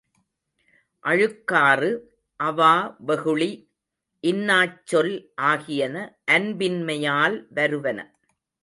அழுக்காறு, அவா, வெகுளி, இன்னாச்சொல் ஆகியன அன்பின்மையால் வருவன.